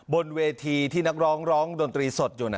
บนเวทีที่นักร้องร้องดนตรีสดอยู่